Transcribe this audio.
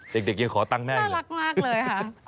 เด็กยังขอตั้งแม่อย่างนี้น่ารักมากเลยค่ะ